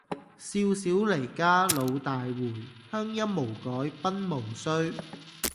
少小離家老大回，鄉音無改鬢毛衰。